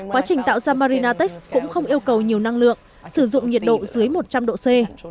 quá trình tạo ra marinatex cũng không yêu cầu nhiều năng lượng sử dụng nhiệt độ dưới một trăm linh độ c